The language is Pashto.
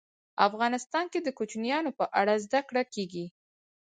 افغانستان کې د کوچیانو په اړه زده کړه کېږي.